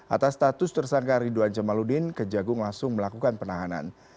atas status tersangka ridwan jamaludin kejagung langsung melakukan penahanan